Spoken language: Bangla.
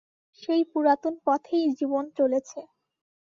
সেই পুরাতন পথেই জীবন চলেছে।